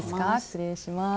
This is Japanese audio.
失礼します。